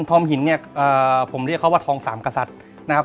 ทองหินเนี่ยผมเรียกเขาว่าทองสามกษัตริย์นะครับ